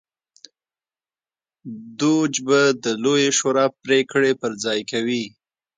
دوج به د لویې شورا پرېکړې پر ځای کوي